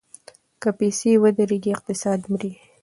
که پیسې ودریږي اقتصاد مري.